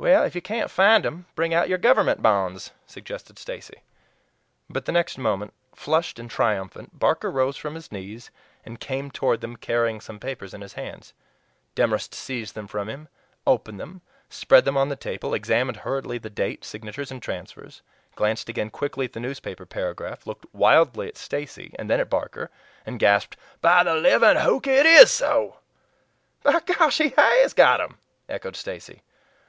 "If you can't find them, bring out your government bonds," suggested Stacy. But the next moment, flushed and triumphant, Barker rose from his knees, and came toward them carrying some papers in his hands. Demorest seized them from him, opened them, spread them on the table, examined hurriedly the date, signatures, and transfers, glanced again quickly at the newspaper paragraph, looked wildly at Stacy and then at Barker, and gasped: "By the living hookey! it is SO!" "B'gosh! he HAS got 'em!" echoed Stacy.